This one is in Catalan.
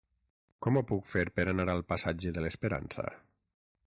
Com ho puc fer per anar al passatge de l'Esperança?